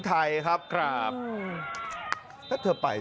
จริงจริง